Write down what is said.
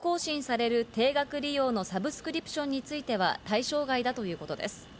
自動更新される定額利用のサブスクリプションについては対象外だということです。